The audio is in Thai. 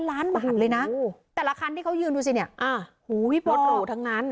ล้านบาทเลยนะแต่ละคันที่เขายืนดูสิเนี้ยอ่าโหพี่พ่อรถหรูทั้งงาน